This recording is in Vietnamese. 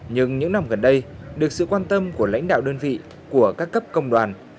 nhưng những năm gần đây được sự quan tâm của lãnh đạo đơn vị của các cấp công đoàn